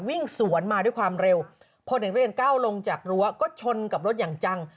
วิ่งสวนมาด้วยความเร็วพอเด็กนักเรียนก้าวลงจากรั้วก็ชนกับรถอย่างจัง